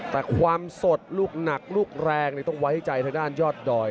แต่ความสดลูกหนักลูกแรงต้องไว้ใจทางด้านยอดดอย